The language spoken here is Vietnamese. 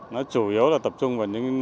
nó chủ yếu là tập trung vào những